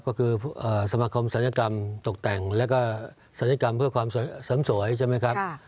ก็คือสมาคมศัลยกรรมตกแต่งแล้วก็ศัลยกรรมเพื่อความเสริมสวยใช่ไหมครับ